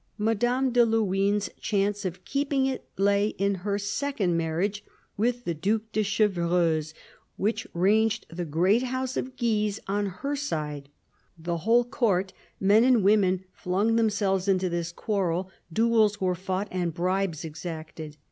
Madame de Luynes' chance of keeping it lay in her second marriage with the Due de Chevreuse, which ranged the great House of Guise on her side. The whole Court, men and women, flung themselves into this quarrel ; duels were fought and bribes exacted.